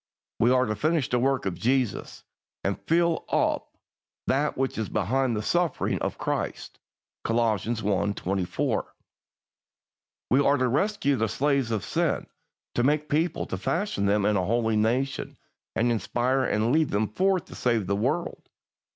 We are to finish the work of Jesus, and "fill up that which is behind of the sufferings of Christ" (Col. i. 24). We are to rescue the slaves of sin, to make a people, to fashion them into a holy nation, and inspire and lead them forth to save the world.